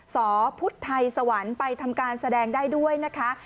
สพุทธไทยสวรรค์ไปทำการแสดงได้ด้วยนะคะ